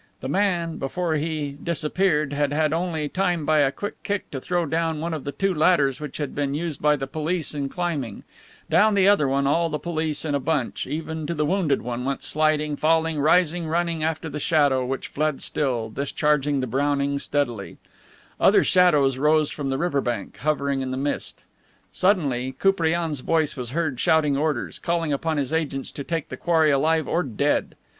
The man, before he disappeared, had had only time by a quick kick to throw down one of the two ladders which had been used by the police in climbing; down the other one all the police in a bunch, even to the wounded one, went sliding, falling, rising, running after the shadow which fled still, discharging the Browning steadily; other shadows rose from the river bank, hovering in the mist. Suddenly Koupriane's voice was heard shouting orders, calling upon his agents to take the quarry alive or dead.